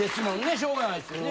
しょうがないすよね